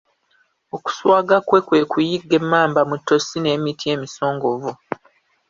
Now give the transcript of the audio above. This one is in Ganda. Okuswaga kwe kwe kuyigga emmamba mu ttosi n'emiti emisongovu